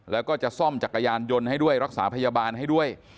แล้วก็จะซ่อมจักรยานยนต์ให้ด้วยรักษาพยาบาลให้ด้วย